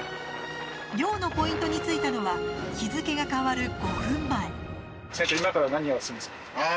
漁のポイントに着いたのは日付が変わる５分前。